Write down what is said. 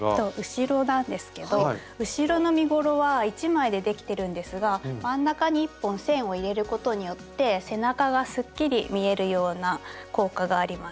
後ろなんですけど後ろの身ごろは１枚でできてるんですが真ん中に１本線を入れることによって背中がすっきり見えるような効果があります。